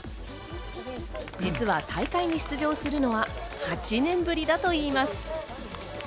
実は大会に出場するのは８年ぶりだといいます。